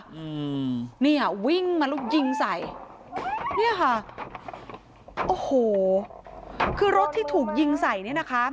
อืมเนี่ยวิ่งมาแล้วยิงใส่เนี่ยค่ะโอ้โหคือรถที่ถูกยิงใส่เนี้ยนะคะ